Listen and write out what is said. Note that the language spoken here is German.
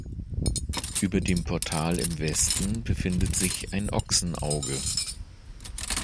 Über dem Portal im Westen befindet sich ein Ochsenauge.